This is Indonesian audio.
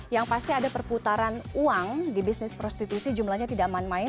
yang pasti ada perputaran uang di bisnis prostitusi jumlahnya tidak main main